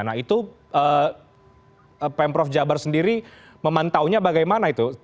nah itu pemprov jabar sendiri memantaunya bagaimana itu